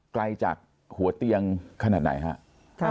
ไกลจากหัวเตียงขนาดไหนครับ